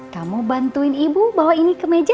kamu bantuin ibu bawa ini ke meja